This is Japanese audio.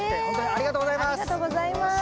ありがとうございます。